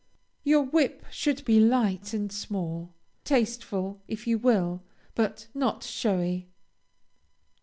Your whip should be light and small, tasteful if you will, but not showy.